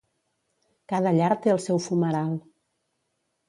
Cada llar té el seu fumeral.